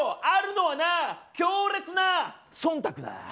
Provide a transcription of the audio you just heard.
あるのはな強烈なそんたくだ。